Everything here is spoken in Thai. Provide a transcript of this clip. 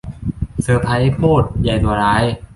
เซอร์ไพรส์โพด ยัยตัวร้าย